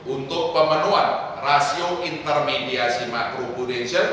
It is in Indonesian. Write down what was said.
untuk pemenuhan rasio intermediasi makrobudition